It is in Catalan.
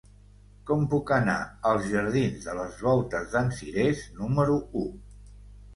Com puc anar als jardins de les Voltes d'en Cirés número u?